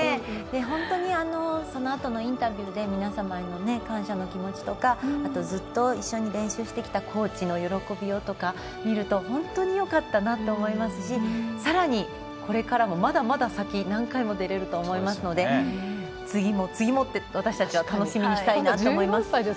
本当にそのあとのインタビューで皆様への感謝の気持ちとかずっと一緒に練習してきたコーチの喜びようとかを見ると本当によかったなと思いますしさらに、これからもまだまだ先、何回も出れると思いますので次も次も、私たちは楽しみにしたいと思います。